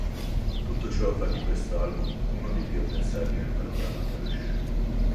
Tutto ciò fa di questo album uno dei più apprezzati nel panorama Thrash.